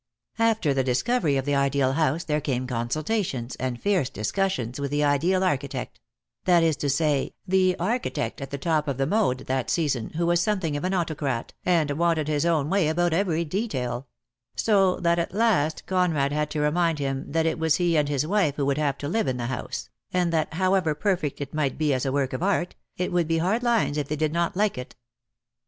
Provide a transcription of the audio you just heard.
After the discovery of the ideal house there came consultations and fierce discussions with the ideal architect — that is to say, the architect at the top of the mode that season, who was something of an autocrat, and wanted his own way about every detail; so that at last Conrad had to remind him that it was he and his wife who would have to live in the house, and that however perfect it might be as a work of art, it would be hard lines if they did not like it.